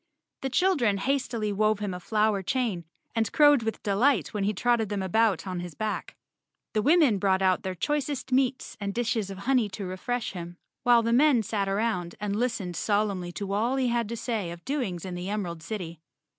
The children hastily wove him a flower chain and crowed with delight when he trotted them about on his back. The women brought out their choicest meats and dishes of honey to refresh him, while the men sat around and listened solemnly to all he had to say of doings in the Emerald City.